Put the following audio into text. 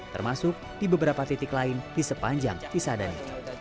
termasuk di beberapa titik lain di sepanjang cisadane